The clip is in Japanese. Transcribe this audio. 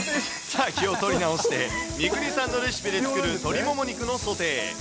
さあ、気を取り直して、三國さんのレシピで作る鶏モモ肉のソテー。